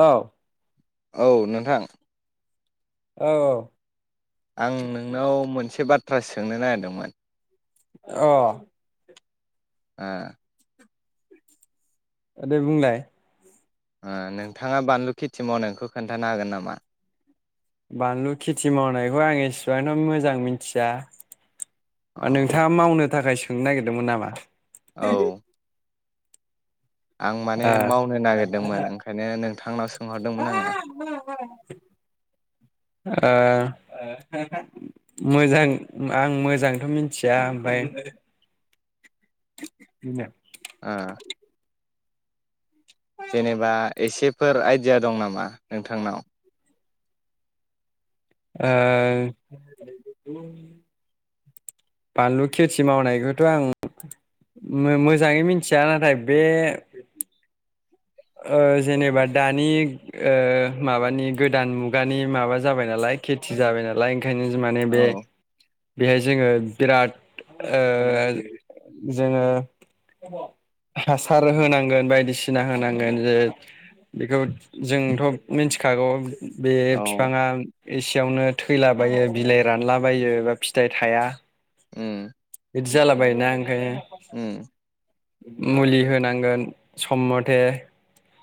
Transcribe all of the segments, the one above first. अ औ औ नोंथां। औ औ आं नोंनाव मोनसे बाथ थ्रा सोंनो नागिरदोंमोन? अ ओ दे बुंलाय? ओ नोंथाङा बानलु खेथि मावनायखो खोन्थानो हागोन नामा? बानलु खेथि मावनायखौ आं इसेबांथ' मोजां मिन्थिया। अ नोंथाङा मावनो थाखाय सोंनो नागिरदोंमोन नामा? औ आं माने आ मावनो नागिरदोंमोन ओंखायनो नोंथांनाव सोंहरदोंमोन आङो [unintelligible] मोजां आं मोजांथ' मिथिया ओमफ्राय आ जेनेबा एसेफोर आइडिया दं नामा नोंथांनाव। ओ बानलु खेथि मावनायखौथ' आं मोजाङै मिथिया नाथाय बे ओ जेनेबा दानि ओ माबानि गोदान मुगानि माबा जाबाय नालाय खेथि जाबाय नालाय ओंखायनो जि माने बे औ बे जोङो बिराद ओ जोङो हासार होनांगोन बायदिसिना होनांगोन जे बेखौ जोंथ' मिथिखागौ बे औ फिफांआ एसेयावनो थैलाबायो बिलाइ रानलाबायो बा फिथाइ थाया। उ बिदि जालाबायो ना ओंखायनो उम मुलि होनांगोन सम मथे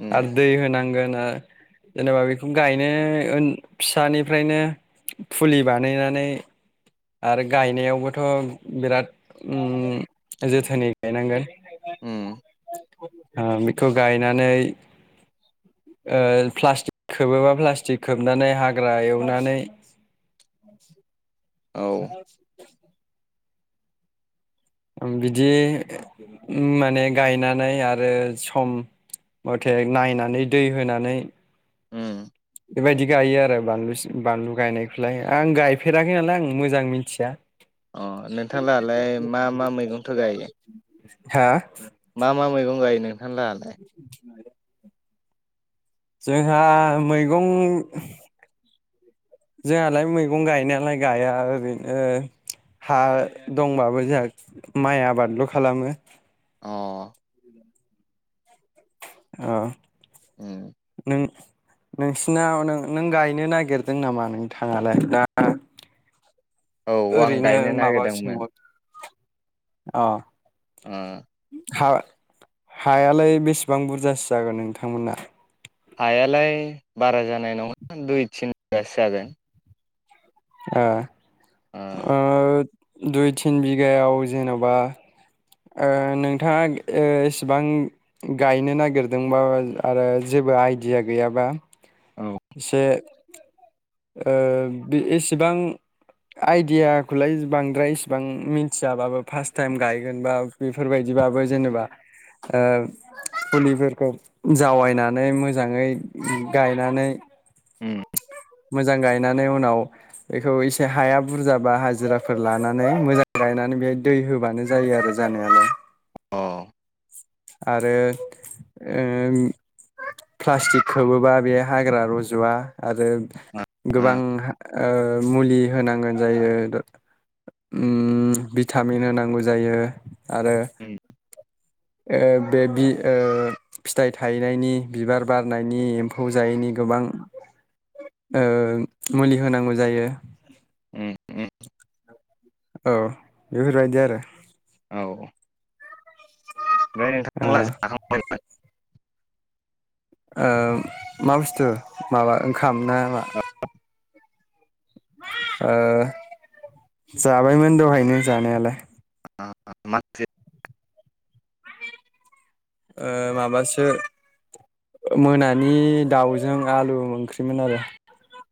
उम आरो दै होनांगोन ओ जेनेबा बेखौनो गायनो फिसानिफ्रायनो फुलि बानायनानै आरो गायनायावबोथ' बिराद जोथोनै गायनांगोन उम। ओ- बेखौ गायनानै ओ- प्लास्टिक खोबोबा प्लास्टिक खोबनानै हाग्रा एवनानै औ [unintelligible] बिदि ओम माने गायनानै आरो सम मथे नायनानै दै होनानै। उम। बेबायदि गायो आरो बानलु सि-बानलु गायनायखौलाय आं गायफेराखै नालाय आं मोजां मिथिया। अ नोंथांआलाय मा मा मैगंथ गायो? हा मा मा मैगं गायो? नोंथांलाहालाय [inaudible] जोंहा मैगं जोंहालाय मैगं गायनायालाय गाया ओरैनो हा दंबाबो जोंहा माइ आबादल' खालामो, अ अ उम। नोंसिनाव नों गायनो नागिरदों नामा नोंथांआलाय दा? औ आं ओरैनो गायनो माबा नागिरदोंमोन। सोंहर अ उम हा हायालाय बेसेबां बुरजासो जागोन नोंथांमोना? हाया लाय बारा जानाय नङा दुइ तिन [unintelligible] बासो जागोन। ओ ओ दुइ तिन बिगायाव जेनबा। ओ-नोंथाङा ओ-इसेबां गायनो नागिरदोंबा आरो जेबो आइदिया गैयाबा। ओ से ओ- बे एसेबां आइदियाखौलाय बांद्राय इसिबां मिथियाबाबो फार्स्ट टाइम गायगोन बा बेफोर बायदिबाबो जेनेबा ओ- फुलिफोरखौ जावायनानै मोजाङै गायनानै। उम मोजां गायनानै उनाव बेखौ एसे हाया बुरजाबा हाजिराफोर लानानै मोजां गायनानै बेयाव दै होबानो जायो आरो जानायालाय। औ आरो ओ- प्लास्टिक खोबोबा बे हाग्रा रजवा। आरो आ आ गोबां ओ- मुलि होनांगोन। जायो उम भिटामिन होनांगौ जायो। आरो उम ओ- बे बि ओ- फिथाइ थायनायनि बिबार बारनायनि एमफौ गोबां ओ-मुलि होनांगौ जायो। उम उम औ बेफोर बायदि आरो। औ ओमफ्राय ओ नोंथां [inaudible] ओ- मा बुसथु माबा ओंखाम ना मा? ओ- जाबायमोन दहायनो जानायालाय। ओ माथो ओ माबासो ओ मोनानि दावजों आलु ओंख्रिमोन आरो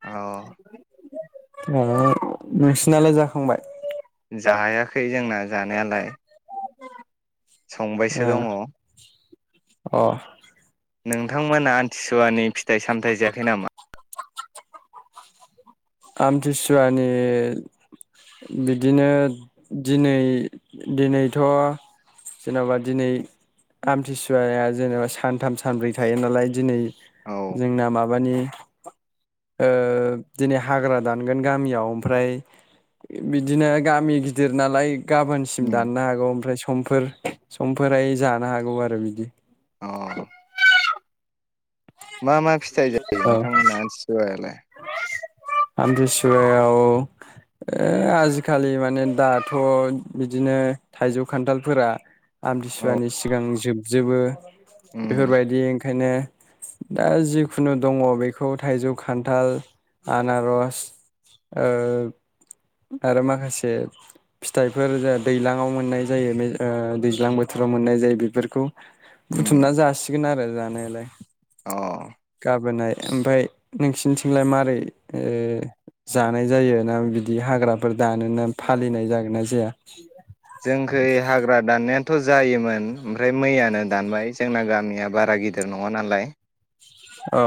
अ [unintelligible] नोंसिनालाय जाखांबाय? जायाखै जोंना जानायालाय। संबायसो दङ। ओ अ नोंथांमोना आमथिसुवानि फिथाय सामथाय जायाखै नामा? आमथिसुवानि बिदिनो दिनै दिनैथ' जेनोबा दिनै आमथिसुवाया जेनेबा सानथाम सानब्रै थायो नालाय दिनै औ जोंना माब माबानि ओ दिनै हा हाग्रा दानगोन गामियाव ओमफ्राय बिदिनो गामि गिदिर नालाय। गाबोनसिम उम दाननो हागौ ओमफ्राय इस्क समफोर समफोरहाय जानो हागौ आरो बिदि। अ मा मा फिथाइ जायो औ नोंथांमोना आमथिसुयावलाय? [unintelligible] आमथिसुवायाव ओ आजिखालि माने दाथ' बिदिनो थाइजौ खानथालफोरा औ आमथिसुवानि सिगां जोबजोबो उम बेफोरबायदि ओंखायनो दा जिखुनु दङ बेखौ थाइजौ खा खानथाल आनारस ओ आरो माखासे फिथाइफोर जोंहा दैलांआव मोननाय जायो मे ओ बे दैज्लां बोथोराव मोननाय जायो बेफोरखौ। उम बुथुमना जासि गिन आरो जानायालाय अ गाबोनआय ओमफाय नोंसिनिथिंलाय मारै ओ जानाय जायोना बिद दि हाग्राफोर दानोना फालिनाय जागोन ना जाया? जोंखै हाग्रा दाननाया थ' जायोमोन ओमफ्राय मैयानो दानबाय जोंना गामिया बारा गिदिर नङा नालाय अ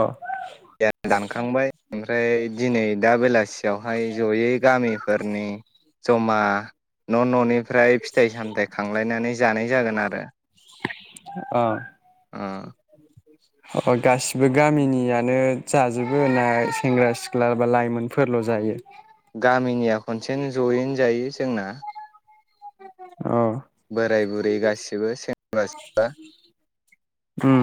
दा दानखांबाय ओमफ्राय दिनै दा बेलासियावहाय ज'यै गामिफोरनि जमा न' न'निफ्राय फिथ थाइ सामथाय खांलायनानै ज जानाय जागोन आरो अ ओ अ गासिबो गामिनियानो जाजोबो ना सेंग्रा सिख्ला बा लाइमोनफोरल' जायो गामिनिया खनसेनो ज'यैनो जायो जोंना अ बोराय बुरै गासिबो सेंग्रा सिख्ला उम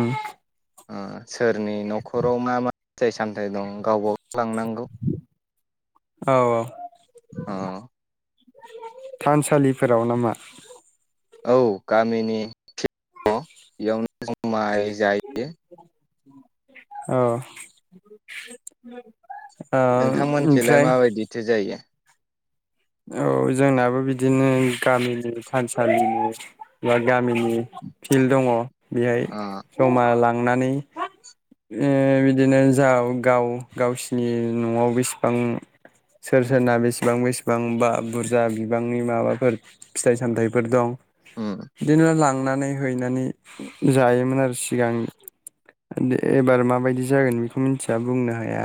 ओ सोरनि न'खराव मा मा फिथाइ सामथाइ दं गावबागाव लांनांगौ औ औ अ थानसालिफोराव नामा औ गामिनि बेयावनो जुमाइ दायो औ नोंथांमोनखैलाय ओमफ्राय माबायदिथो जायो? औ जोंनाबो बिदिनो गामिनि थानसालिनि बा गामि ओम फिल दङ बेहाय अ जमा लां नुनानै ओ बिदिनो जा गाव गावसिनि नआव बेसेबां सोर सोरना बेसेबां बेसे बां बा बुरजा बिबांनि माबाफोर फिथाइ सामथाइफोर दं। उम बिदिनो लां नानै हैनानै जायोमोन आरो सिगां एबार माबायदि जागोन बेखौ मिथिया बुंनो हाया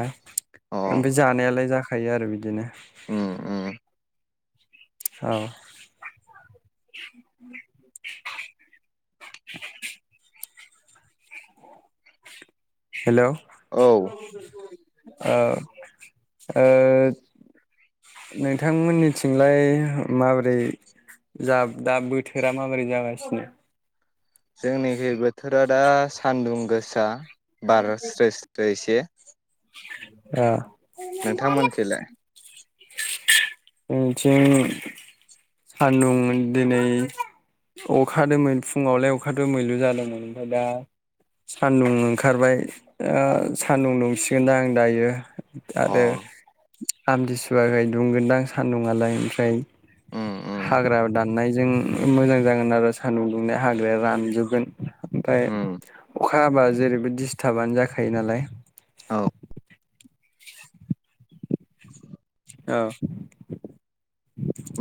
अ ओमफाय जानायालाय जाखायो आरो बिदिनो उम उम औ। [inaudible] हेल [unintelligible] ओ औ ओ नोंथांमोननिथिंलाय माबोरै जा दा बोथोरा माबोरै जागासिनो? जोंनिखि बोथोरा दा सान्दुं गोसा। बार‌ स्रो स्रो इसे ओ। नोंथां मोनखिलाय? उम थिं सान्दुं दिनै अखादोंमोन फुंङावलाय अखा दोमैलु जादोंमोन ओमफाय दा सान्दुं ओंखारबाय ओ सान्दुं दुंसिगोन दां दायो। अ आरो आमथिसुवाखाय दुंगोनदां सान्दुंआलाय ओमफ्राय उम उम हाग्रा दाननायजों मोजां जागोन आरो सानदुं दुंनाया हाग्राया रानजोबगोन। ओमफाय उम अखा हाबा जेरैबो दिस्थाबानो जाखायो नालाय औ। [inaudible] [inaudible] औ।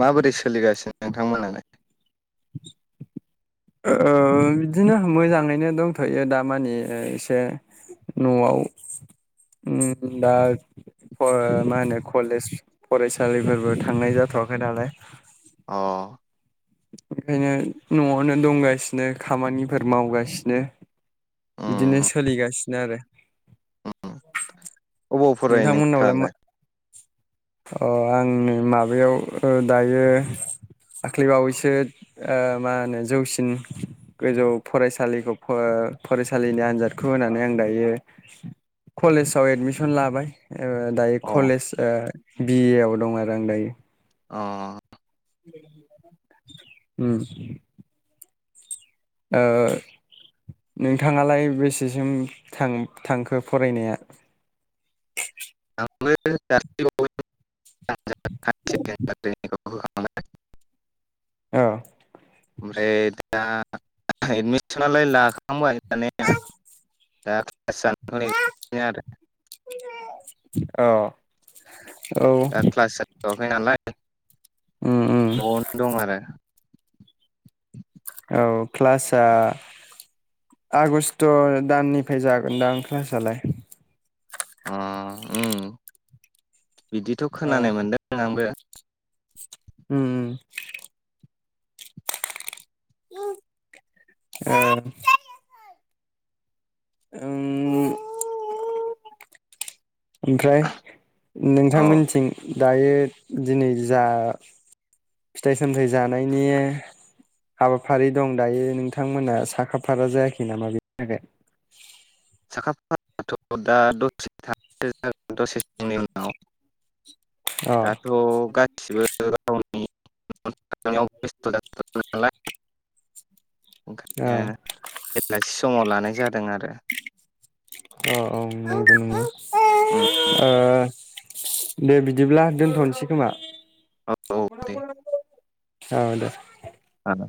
माबोरै सोलिगासिन नोंथां मोनालाय ओ बिदिनो मोजाङैनो दंथयो दामानि ओ एसे नआव उम दा फ मा होनो कलेज फरायसालिफोरबो थांनाय जाथवाखै नालाय अ ओंखायनो न आवनो दंगासिनो खामानिफोर मावगासिनो बिदिनो उम सोलिगासिनो आरो अबाव फराय नोंथांमोननावलाय मा नोंथांआलाय अ आंनो माबायाव ओ दायो दाख्लैबावैसो ओ मा होनो जौसिन गोजौ फरायसालिखौ फ अ फरायसालिनि आनजादखौ होनानै आं दायो कलेजाव एडमिस सन लाबाय। ओ दायो अ कलेज ओ बि ए आव दं आरो आं दायो। अ उम। ओ नोंथांआलाय बेसे सिम थाङो थांखो फरायनाया [inaudible] [unintelligible] [unintelligible] औ ओमफ्राय दा एडमिसनालाय लाखांबाय माने [unintelligible] [unintelligible] औ औ दा [unintelligible] नालाय उम न'वावनो दं आरो औ क्लासआ आगस्ट' दाननिफ्राय जागोनदां क्लासालाय उ उम बिदिथ' खोनानाय मोनदों आंबो उम उम [unintelligible] ओं ओमफ्राय औ नोंथांमोननिथिं दायो दिनै जा फिथाइ सामथाइ जानायनि हाबाफारि दं दायो नोंथांमोना साखाफारा जायाखै नामा बेनि थाखाय साखा [unintelligible] दाथ' गासि [unintelligible] [unintelligible] [unintelligible] थाखाय अ अ [unintelligible] लानाय जादों आरो। अ औ नंगौ नंगौ। उम [unintelligible] दे बिदिब्ला दोनथ'नोसै खोमा? औ औ [unintelligible] औ दे। औ